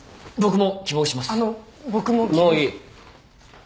もういい。